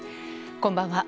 こんばんは。